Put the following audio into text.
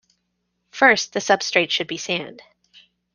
First, the substrate should be sand.